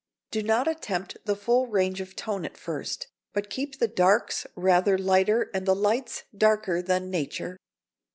Do not attempt the full range of tone at first, but keep the darks rather lighter and the lights darker than nature.